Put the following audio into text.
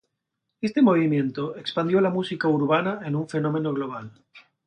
Este movimiento expandió la música urbana en un fenómeno global.